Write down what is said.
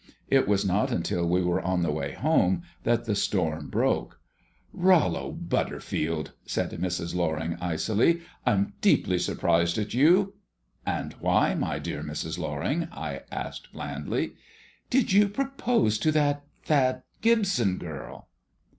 It was not until we were on the way home that the storm broke. "Rollo Butterfield," said Mrs. Loring icily, "I'm deeply surprised at you." "And why, my dear Mrs. Loring?" I asked blandly. "Did you propose to that that Gibson girl?"